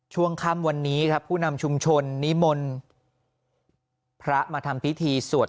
ช่วงค่ำวันนี้ครับผู้นำชุมชนนิมนต์พระมาทำพิธีสวด